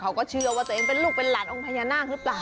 เขาก็เชื่อว่าตัวเองเป็นลูกเป็นหลานองค์พญานาคหรือเปล่า